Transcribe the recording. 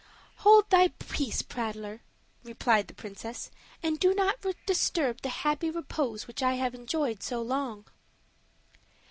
"Hold thy peace, prattler," replied the princess, "and do not disturb that happy repose which I have enjoyed so long."